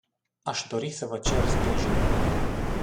Aș dori să vă cer sprijinul.